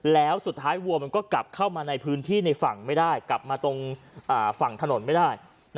แล้วสุดท้ายวัวมันก็กลับเข้ามาในพื้นที่ในฝั่งไม่ได้กลับมาตรงฝั่งถนนไม่ได้